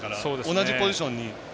同じポジションに。